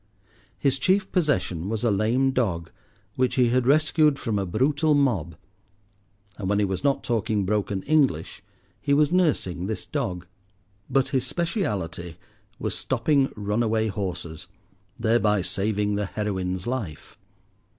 His chief possession was a lame dog which he had rescued from a brutal mob; and when he was not talking broken English he was nursing this dog. But his speciality was stopping runaway horses, thereby saving the heroine's life.